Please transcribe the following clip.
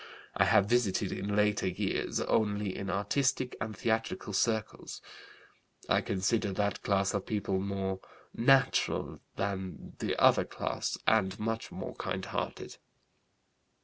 I have visited in later years only in artistic and theatrical circles; I consider that class of people more natural than the other class and much more kind hearted.